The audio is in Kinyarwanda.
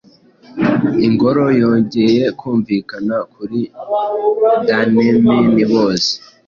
Ingoro yongeye kumvikana kuri Danemen bose